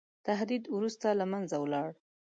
تهدید وروسته له منځه ولاړ.